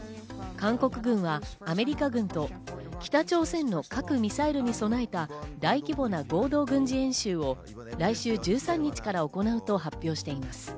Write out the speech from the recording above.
韓国軍はアメリカ軍と北朝鮮の核・ミサイルに備えた大規模な合同軍事演習を来週１３日から行うと発表しています。